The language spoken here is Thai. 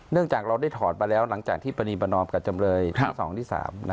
จากเราได้ถอดมาแล้วหลังจากที่ปณีประนอมกับจำเลยที่๒ที่๓